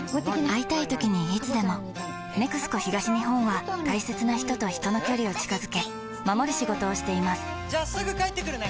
会いたいときにいつでも「ＮＥＸＣＯ東日本」は大切な人と人の距離を近づけ守る仕事をしていますじゃあすぐ帰ってくるね！